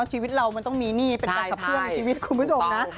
ชีวิตเรามันต้องมีหนี้เป็นการขับเคลื่อนในชีวิตคุณผู้ชมนะ